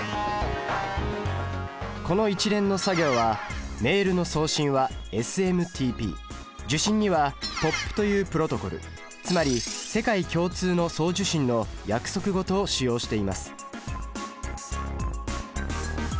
この一連の作業はメールの送信は「ＳＭＴＰ」受信には「ＰＯＰ」というプロトコルつまり世界共通の送受信の約束事を使用しています。